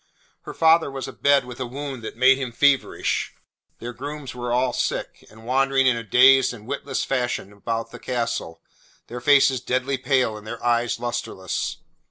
Her father was abed with a wound that made him feverish. Their grooms were all sick, and wandered in a dazed and witless fashion about the castle, their faces deadly pale and their eyes lustreless.